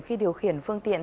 khi điều khiển phương tiện